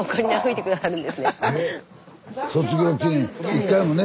１回もね